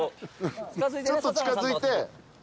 ちょっと近づいて。